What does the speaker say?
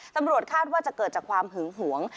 ตำรวจคาดว่าจะเกิดจากความหึงหวง